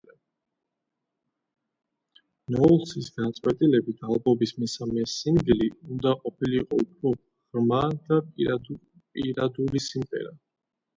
ნოულსის გადაწყვეტილებით, ალბომის მესამე სინგლი უნდა ყოფილიყო უფრო ღრმა და პირადული სიმღერა.